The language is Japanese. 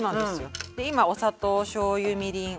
今お砂糖おしょうゆみりん